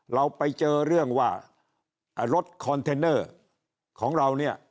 เราไปเจอเรื่องว่ารถคอนเทนเนอร์ของเราเนี่ย